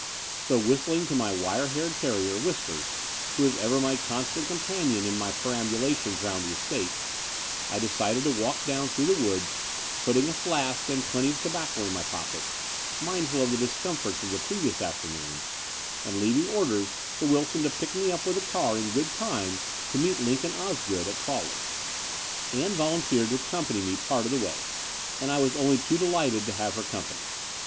So, whistling to my wire haired terrier, Whiskers, who is ever my constant companion in my peram bulations round the estate, I decided to walk down through the woods, putting a flask and plenty of tobacco in my pockets, mindful of the discomforts of the previous afternoon, and leaving orders for Wilson to pick me up with the car in good time to meet Lincoln Osgood at Crawley. Ann volunteered to accompany me part of the way; and I was only too delighted to have her company.